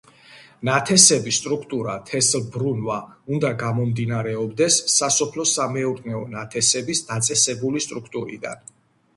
ნათესების სტრუქტურა თესლბრუნვა უნდა გამომდინარეობდეს სასოფლო-სამეურნეო ნათესების დაწესებული სტრუქტურიდან.